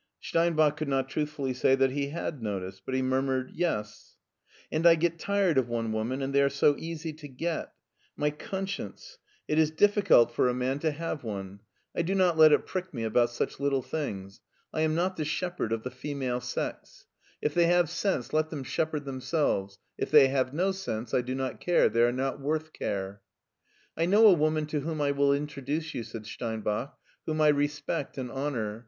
Steinbach could not truthfully say that he had noticed, but he murmured " Yes." *' And I get tired of one woman, and they are so easy to get My conscience! It is difficult for a man to ii6 MARTIN SCHULER have one. I do not let it prick me about such little things. I am not the shepherd of the female sex. If they have sense let them shepherd themselves; if they have no sense I do not care, they are not worth care." " I know a woman to whom I will introduce you," said Steinbach, "whom I respect and honor.